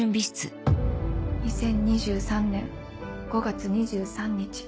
２０２３年５月２３日